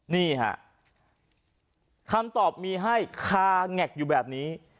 นี่ฮะคำตอบมีให้คาแงกอยู่แบบนี้